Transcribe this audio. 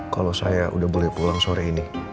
kalau saya udah boleh pulang sore ini